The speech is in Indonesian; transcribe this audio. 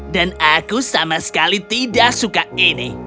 dan aku sama sekali tidak suka ini